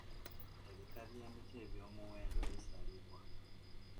Ebika by'emiti eby'omuwendo bisalibwa.